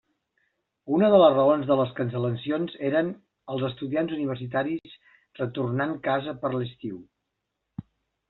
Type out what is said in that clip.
Una de les raons de les cancel·lacions eren els estudiants universitaris retornant casa per l'estiu.